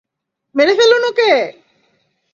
মেরে ফেলুন ওকে!